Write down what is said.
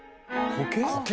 コケ？